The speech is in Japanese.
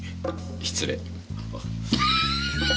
失礼。